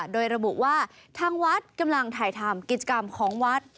โดยระบุว่าทางวัดกำลังถ่ายทำกิจกรรมของวัด